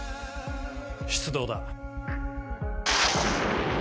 出動だ。